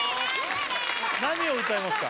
何を歌いますか？